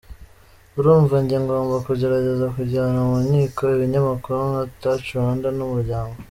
Urumva njye ngomba kugerageza kujyana mu nkiko ibinyamakuru nka Touchrwanda na Umuryango.